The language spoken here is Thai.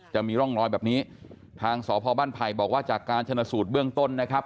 จะมีร่องรอยแบบนี้ทางสพบ้านไผ่บอกว่าจากการชนสูตรเบื้องต้นนะครับ